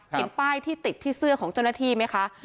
เห็นป้ายที่ติดที่เสื้อของเจ้าหน้าที่ไหมคะ